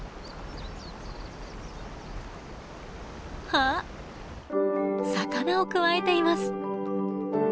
あっ魚をくわえています。